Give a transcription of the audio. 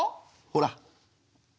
ほら。